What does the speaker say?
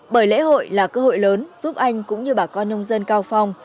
bởi lễ hội là cơ hội lớn giúp anh cũng như bà con nông dân cao phong